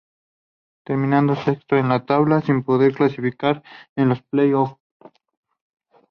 Termina sexto en la tabla, sin poder clasificar a los play-offs.